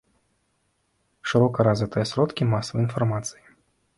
Шырока развітыя сродкі масавай інфармацыі.